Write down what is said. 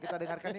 kita dengarkan ya